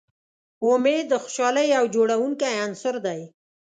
امید د خوشحالۍ یو جوړوونکی عنصر دی.